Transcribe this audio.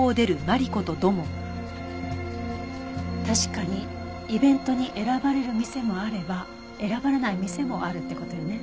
確かにイベントに選ばれる店もあれば選ばれない店もあるって事よね。